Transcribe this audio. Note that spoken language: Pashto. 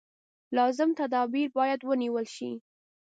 لازم تدابیر باید ونېول شي.